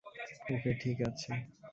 ওকে ঠিক আছে।